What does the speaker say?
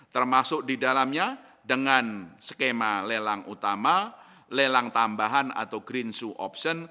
termasuk di dalamnya dengan skema lelang utama lelang tambahan atau green sue option